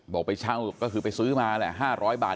ไปเช่าก็คือไปซื้อมาแหละ๕๐๐บาท